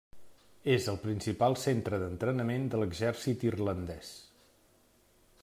És el principal centre d'entrenament de l'Exèrcit Irlandès.